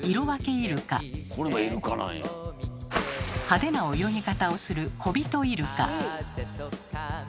派手な泳ぎ方をするコビトイルカ。